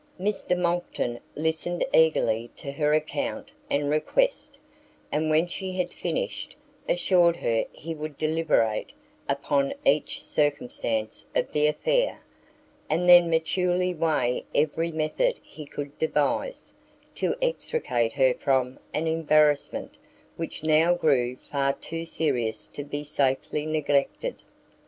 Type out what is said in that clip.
Mr Monckton listened eagerly to her account and request, and when she had finished, assured her he would deliberate upon each circumstance of the affair, and then maturely weigh every method he could devise, to extricate her from an embarrassment which now grew far too serious to be safely neglected.